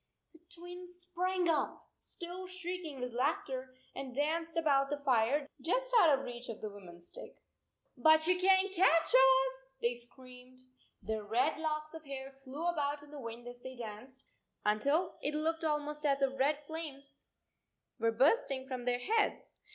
The Twins sprang up, still shrieking with laughter, and danced about the fire just out of reach of the woman s stick. " But you can t catch us," they screamed. Their red locks of hair flew about in the wind as they danced, until it looked almost as if red flames were bursting from their heads.